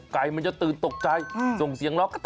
ไก่มันจะตื่นตกใจส่งเสียงล็อก